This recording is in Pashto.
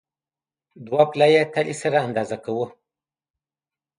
دوه پله یي تلې سره اندازه کوو.